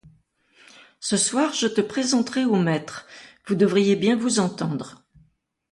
Ce soir, je te présenterai au maître, vous devriez bien vous entendre.